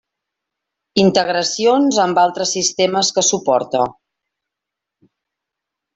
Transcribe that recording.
Integracions amb altres sistemes que suporta.